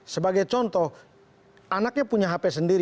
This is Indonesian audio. sebagai contoh anaknya punya hp sendiri